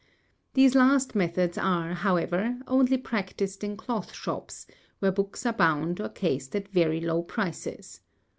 These last methods are, however, only practised in cloth shops, where books are bound or cased at very low prices.